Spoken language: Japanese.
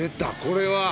これは。